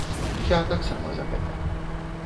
Я таксама за гэта.